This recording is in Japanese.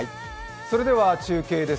それでは中継です。